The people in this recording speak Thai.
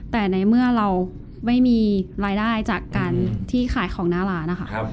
แต่ในเมื่อเราไม่มีรายได้จากการที่ขายของหน้าร้านนะคะ